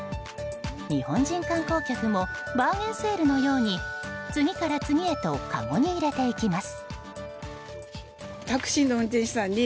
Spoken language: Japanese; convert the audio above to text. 日本人観光客もバーゲンセールのように次から次へとかごに入れていきます。